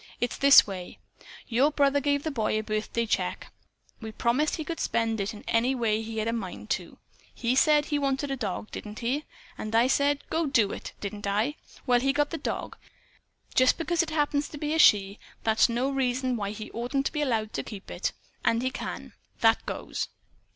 It's this way: Your brother gave the boy a birthday check. We promised he could spend it any way he had a mind to. He said he wanted a dog, didn't he? And I said, 'Go to it!' didn't I? Well, he got the dog. Just because it happens to be a she, that's no reason why he oughtn't to be allowed to keep it. And he can. That goes."